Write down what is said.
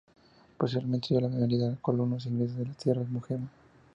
Posteriormente dio la bienvenida a colonos ingleses a las tierras Mohegan.